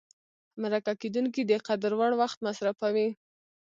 مرکه کېدونکی د قدر وړ وخت مصرفوي.